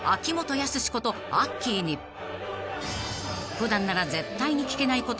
［普段なら絶対に聞けないこと